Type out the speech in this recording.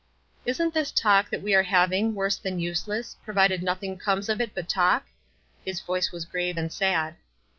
" Isn't this talk that we are having worse than useless, provided nothing comes of it but talk?" His voice was grave and sad.